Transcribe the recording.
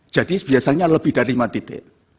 jadi biasanya lebih dari lima titik